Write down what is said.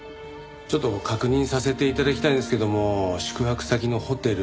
ちょっと確認させて頂きたいんですけども宿泊先のホテル